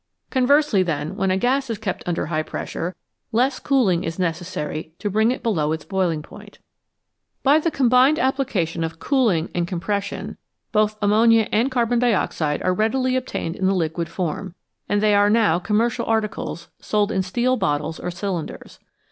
Conversely, then, when a gas is kept under high pressure, less cooling is necessary to bring it below its boiling point. 184 BELOW ZERO By the combined application of cooling and compres sion both ammonia and carbon dioxide are readily obtained in the liquid form, and they are now commercial articles, sold in steel bottles or cylinders.